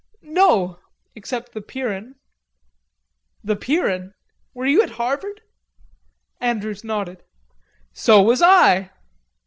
"No, except the Pierian." "The Pierian? Were you at Harvard?" Andrews nodded. "So was I."